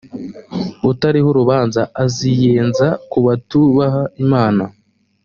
utariho urubanza aziyenza ku batubaha imana